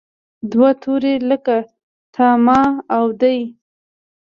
دوه توري لکه تا، ما او دی.